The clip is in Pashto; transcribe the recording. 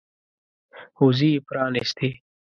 وزرې یې پرانيستې.